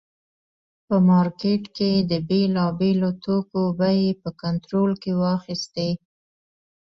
په مارکېټ کې یې د بېلابېلو توکو بیې په کنټرول کې واخیستې.